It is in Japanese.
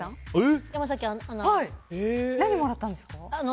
何もらったんですか？